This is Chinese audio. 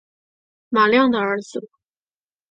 马亮的儿子